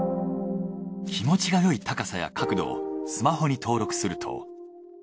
気持ちが良い高さや角度をスマホに登録すると。